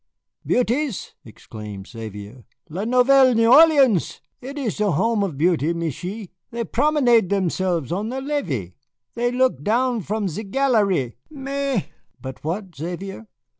"Beauties!" exclaimed Xavier, "La Nouvelle Orléans it is the home of beauty, Michié. They promenade themselves on the levee, they look down from ze gallerie, mais " "But what, Xavier?"